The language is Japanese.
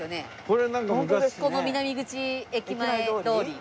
この「南口駅前通り」。